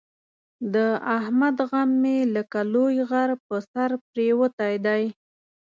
د احمد غم مې لکه لوی غر په سر پرېوتی دی.